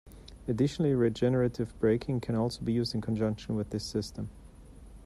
Additionally, regenerative braking can also be used in conjunction with this system.